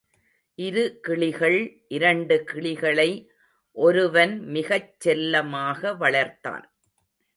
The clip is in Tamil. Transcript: இரு கிளிகள் இரண்டு கிளிகளை ஒருவன் மிகச் செல்லமாக வளர்த்தான்.